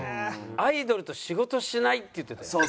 「アイドルと仕事しない」って言ってたよ。